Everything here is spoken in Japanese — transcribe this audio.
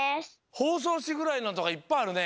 ほうそうしぐらいのとかいっぱいあるね。